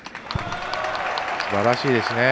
すばらしいですね。